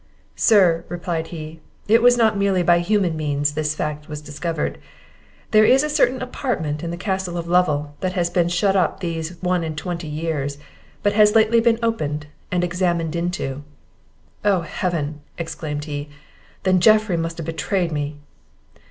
"Sir," replied he, "it was not merely by human means this fact was discovered. There is a certain apartment in the Castle of Lovel, that has been shut up these one and twenty years, but has lately been opened and examined into." "O Heaven!" exclaimed he, "then Geoffry must have betrayed me!"